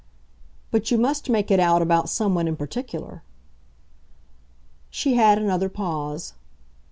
"But you must make it out about someone in particular." She had another pause.